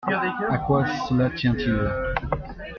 À quoi cela tient-il ?